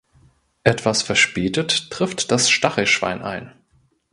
Etwas verspätet trifft das Stachelschwein ein.